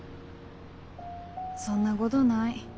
そんなごどない。